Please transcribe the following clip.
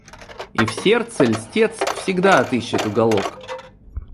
И в сердце льстец всегда отыщет уголок.